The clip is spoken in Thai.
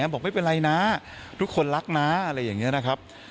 บอกไม่เป็นไรนะทุกคนรักนะอะไรอย่างนี้นะครับ